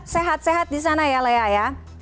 sehat sehat di sana ya lea ya